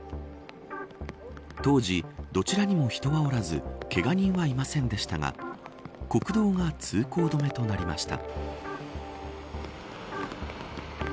当時、どちらにも人はおらずけが人はいませんでしたが国道が通行止めとなりました。